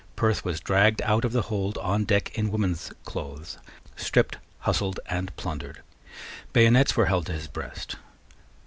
Perth was dragged out of the hold on deck in woman's clothes, stripped, hustled, and plundered. Bayonets were held to his breast.